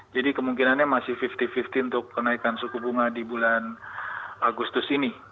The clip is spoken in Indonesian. jadi kemungkinannya masih lima puluh lima puluh untuk kenaikan suku bunga di bulan agustus ini